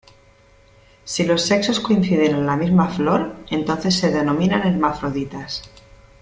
Si los sexos coinciden en la misma flor, entonces se denominan hermafroditas.